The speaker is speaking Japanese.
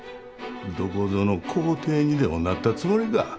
どこぞの皇帝にでもなったつもりか。